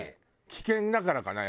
危険だからかな？